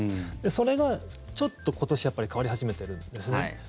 それがちょっと今年変わり始めてるんですね。